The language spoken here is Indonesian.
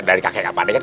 dulu dari kakek pakde kan